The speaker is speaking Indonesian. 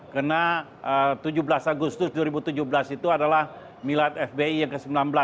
karena tujuh belas agustus dua ribu tujuh belas itu adalah milad fpi yang ke sembilan belas